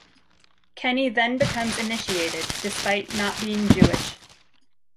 Kenny then becomes initiated, despite not being Jewish.